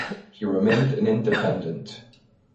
He remained an independent.